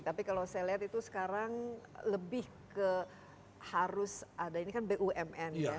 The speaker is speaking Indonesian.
tapi kalau saya lihat itu sekarang lebih ke harus ada ini kan bumn ya